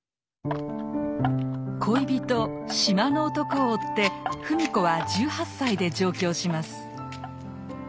恋人「島の男」を追って芙美子は１８歳で上京します。